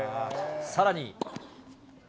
さらに。